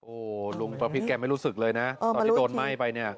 โอ้โหลุงประพิษแกไม่รู้สึกเลยนะตอนที่โดนไหม้ไปเนี่ย